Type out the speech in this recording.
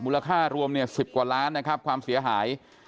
มูลค่ารวม๑๐กว่าล้านนะครับความเสียหาย